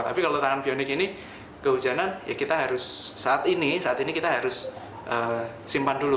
tapi kalau tangan bionik ini kehujanan ya kita harus saat ini saat ini kita harus simpan dulu